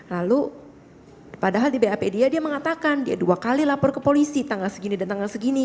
lalu padahal di bap dia dia mengatakan dia dua kali lapor ke polisi tanggal segini dan tanggal segini